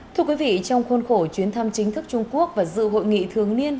thưa quý vị trong khuôn khổ chuyến thăm chính thức trung quốc và dự hội nghị thường niên